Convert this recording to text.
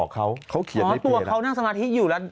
ใครนางสมาธิ